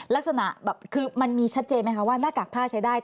ลักษณะแบบคือมันมีชัดเจนไหมคะว่าหน้ากากผ้าใช้ได้